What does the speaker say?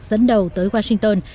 dẫn đầu tới washington